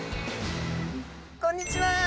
こんにちは。